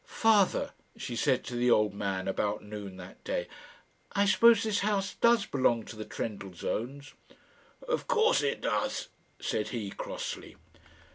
"Father," she said to the old man about noon that day, "I suppose this house does belong to the Trendellsohns?" "Of course it does," said he, crossly.